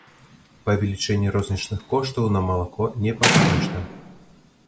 Павелічэнне рознічных коштаў на малако непазбежна.